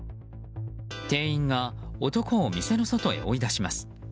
店員が男を店の外へ追い出します。